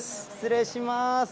失礼します。